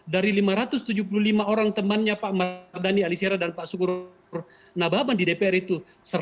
dari lima ratus tujuh puluh lima orang temannya pak mardhani alisera dan pak sukur nababan di dpr itu